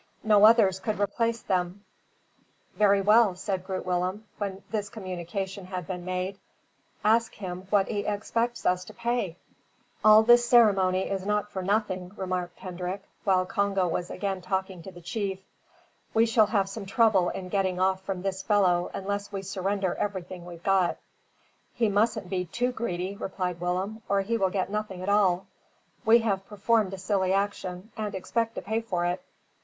No others could replace them. "Very well," said Groot Willem, when this communication had been made; "ask him what he expects us to pay." "All this ceremony is not for nothing," remarked Hendrik, while Congo was again talking to the chief. "We shall have some trouble in getting off from this fellow unless we surrender everything we've got." "He mustn't be too greedy," replied Willem, "or he will get nothing at all. We have performed a silly action, and expect to pay for it."